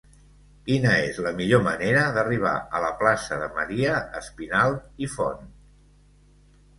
Quina és la millor manera d'arribar a la plaça de Maria Espinalt i Font?